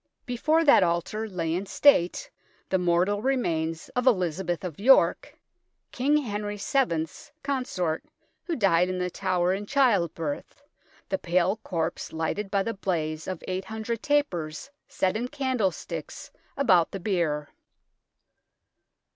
Before that altar lay in state the mortal remains of Elizabeth of York, King Henry VI Fs consort, who died in The Tower in child birth, the pale corpse lighted by the blaze of 800 tapers set in candlesticks about the bier.